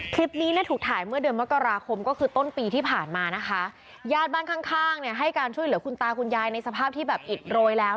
คลิปนี้เนี่ยถูกถ่ายเมื่อเดือนมกราคมก็คือต้นปีที่ผ่านมานะคะญาติบ้านข้างข้างเนี่ยให้การช่วยเหลือคุณตาคุณยายในสภาพที่แบบอิดโรยแล้ว